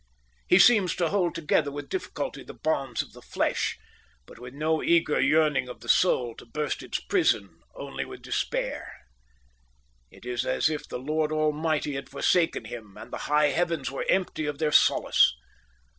He seems to hold together with difficulty the bonds of the flesh, but with no eager yearning of the soul to burst its prison, only with despair; it is as if the Lord Almighty had forsaken him and the high heavens were empty of their solace.